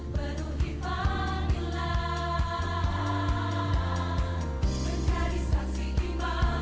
untuk penuhi panggilan